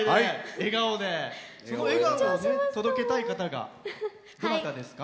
その笑顔を届けたい方がどなたですか？